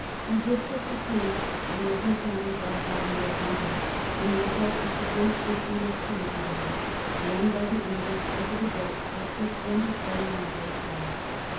He did put to sea, and was encountered by Admiral Duncan, and the result was the great victory of Camperdown, won by the English over the Dutch after splendid fighting on both sides.